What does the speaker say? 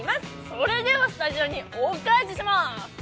それではスタジオにお返しします！